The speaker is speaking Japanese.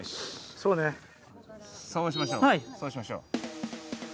そうしましょう。